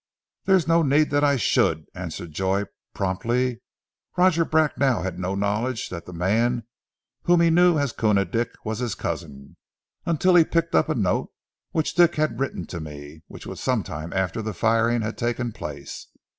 "There is no need that I should," answered Joy promptly. "Roger Bracknell had no knowledge that the man whom he knew as Koona Dick was his cousin, until he picked up a note which Dick had written to me, which was some time after the firing had taken place.